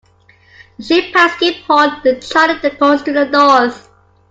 The ship passed Cape Horn, then charted a course to the north.